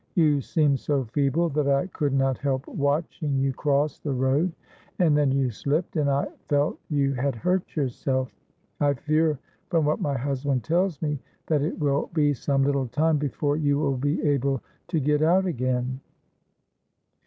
"You seemed so feeble that I could not help watching you cross the road; and then you slipped, and I felt you had hurt yourself. I fear from what my husband tells me that it will be some little time before you will be able to get out again."